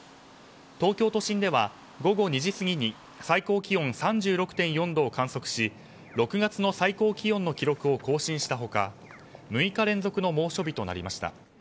東京都心では午後２時過ぎに最高気温３６．４度を観測し、６月の最高気温の記録を更新した他６日連続の猛暑日となりました。